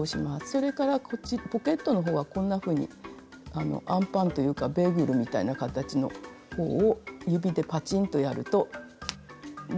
それからポケットの方はこんなふうにあのあんパンというかベーグルみたいな形の方を指でパチンとやるともうボタンがつくと思います。